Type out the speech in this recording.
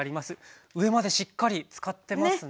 上までしっかり浸かってますね。